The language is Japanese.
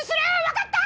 わかった！？